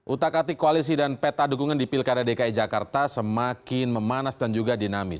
utakati koalisi dan peta dukungan di pilkara dki jakarta semakin memanas dan juga dinamis